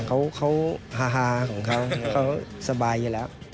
อ๋อไม่ค่ะเขาฮาของเขาเขาสบายอยู่แล้ว